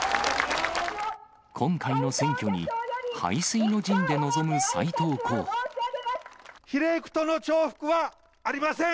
今回の選挙に背水の陣で臨む比例区との重複はありません。